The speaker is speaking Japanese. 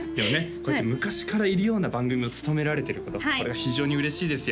こうやって昔からいるような番組を務められてることこれは非常に嬉しいですよ